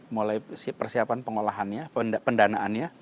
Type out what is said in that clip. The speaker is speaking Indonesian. mulai persiapan pengolahannya pendanaannya